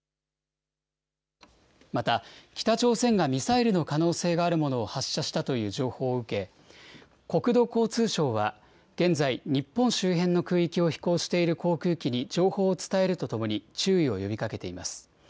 また、北朝鮮がミサイルの可能性があるものを発射したという情報を受け、国土交通省は現在、日本周辺の空域を飛行している航空機に、情報を伝えるとともに、注意を呼びかけています。